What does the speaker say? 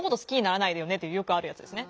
よくあるやつですね。